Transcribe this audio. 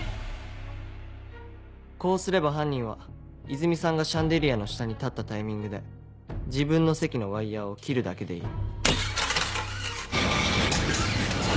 こうすれば犯人はいずみさんがシャンデリアの下に立ったタイミングで自分の席のワイヤを切るだけでいい。